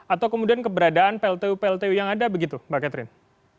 atau kemudian keberadaan pltu pltu yang ada begitu mbak catherine